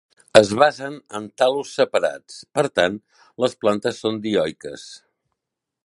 Es basen en tal·lus separats; per tant, les plantes són dioiques.